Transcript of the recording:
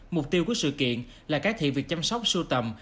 mục tiêu của sự kiện là cải thiện việc chăm sóc sưu tầm